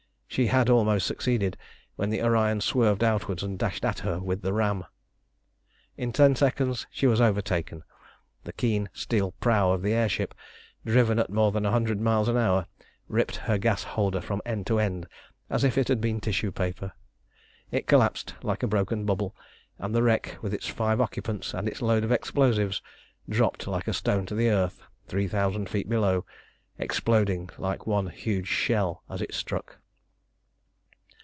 She had almost succeeded, when the Orion swerved outwards and dashed at her with the ram. In ten seconds she was overtaken. The keen steel prow of the air ship, driven at more than a hundred miles an hour, ripped her gas holder from end to end as if it had been tissue paper. It collapsed like broken bubble, and the wreck, with its five occupants and its load of explosives, dropped like a stone to the earth, three thousand feet below, exploding like one huge shell as it struck.